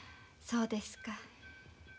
そうですか。